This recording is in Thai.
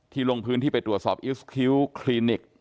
ลงพื้นที่ไปตรวจสอบอิสคิ้วคลินิก